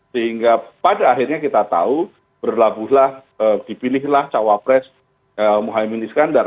sehingga pada akhirnya kita tahu berlabuhlah dipilihlah cawapres mohaimin iskandar